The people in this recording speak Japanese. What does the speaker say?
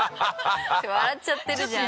笑っちゃってるじゃん。